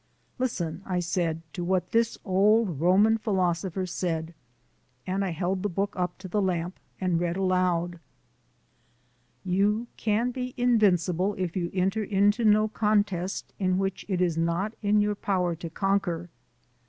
"Listen," I said, "to what this old Roman philosopher said" and I held the book up to the lamp and read aloud: "'You can be invincible if you enter into no contest in which it is not in your power to conquer.